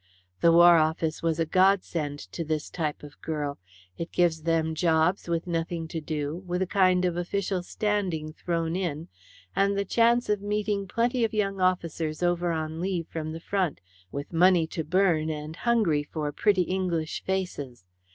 The War Office was a godsend to this type of girl. It gives them jobs with nothing to do, with a kind of official standing thrown in, and the chance of meeting plenty of young officers over on leave from the front, with money to burn and hungry for pretty English faces.